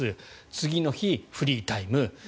次の日、フリータイム。